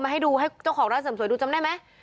ให้ดูให้เจ้าของหรือจะดูจำได้ไหม